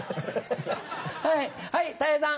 はいたい平さん。